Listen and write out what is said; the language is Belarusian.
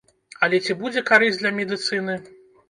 Але ці будзе карысць для медыцыны?